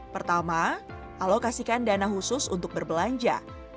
pertama alokasikan dana khusus untuk berbelanja